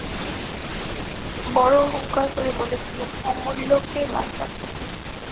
বড়ো অহংকার করে বলেছিলুম, অমূল্যকে বাঁচাব।